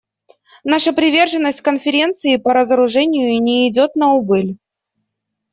Наша приверженность Конференции по разоружению не идет на убыль.